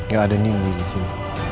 gak ada nindi di sini